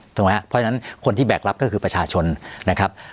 ถูกไหมครับเพราะฉะนั้นคนที่แบกรับก็คือประชาชนนะครับ